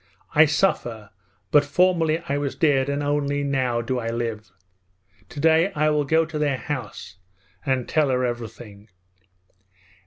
I suffer; but formerly I was dead and only now do I live. Today I will go to their house and tell her everything.'